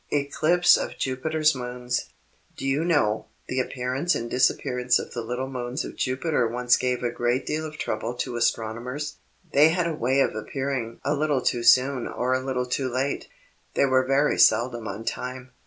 ECLIPSE OF JUPITER'S MOONS. "Do you know, the appearance and disappearance of the little moons of Jupiter once gave a great deal of trouble to astronomers. They had a way of appearing a little too soon or a little too late. They were very seldom on time.